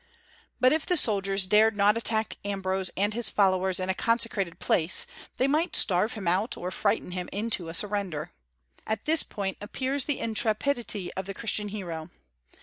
But if the soldiers dared not attack Ambrose and his followers in a consecrated place, they might starve him out, or frighten him into a surrender. At this point appears the intrepidity of the Christian hero.